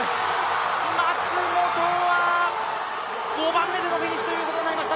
松元は５番目でのフィニッシュとなりました。